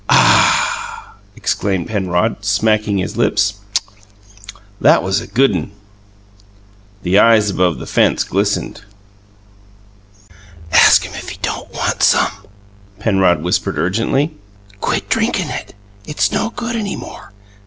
"A a h!" exclaimed Penrod, smacking his lips. "That was a good un!" The eyes above the fence glistened. "Ask him if he don't want some," Penrod whispered urgently. "Quit drinkin' it! It's no good any more.